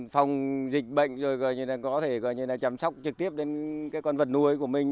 phòng dịch bệnh rồi như là có thể gọi như là chăm sóc trực tiếp đến cái con vật nuôi của mình